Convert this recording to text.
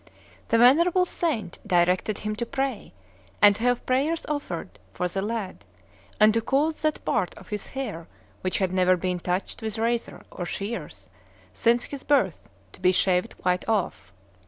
The venerable saint directed him to pray, and to have prayers offered, for the lad, and to cause that part of his hair which had never been touched with razor or shears since his birth to be shaved quite off.